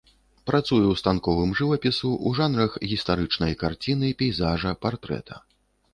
Працуе ў станковым жывапісу ў жанрах гістарычнай карціны, пейзажа, партрэта.